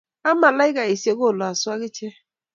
Ak ma aika-isiek, kolosu agichek.